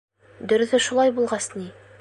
— Дөрөҫө шулай булғас ни!